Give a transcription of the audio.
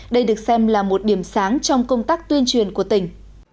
đây được xem là một điểm sáng trong công tác tuyên truyền của tỉnh